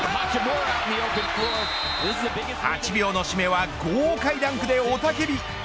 ８秒の締めは豪快なダンクで雄たけび。